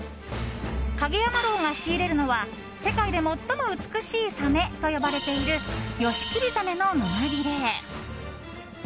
蔭山樓が仕入れるのは世界で最も美しいサメと呼ばれているヨシキリザメの胸びれ。